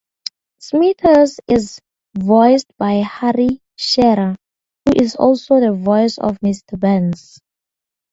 Smithers is voiced by Harry Shearer, who is also the voice of Mr. Burns.